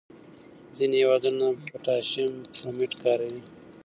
ځینې هېوادونه پوټاشیم برومیټ کاروي.